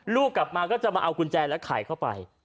ลูกกลับมาก็จะมาเอากุญแจแล้วไขเข้าไป